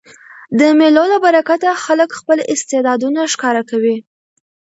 د مېلو له برکته خلک خپل استعدادونه ښکاره کوي.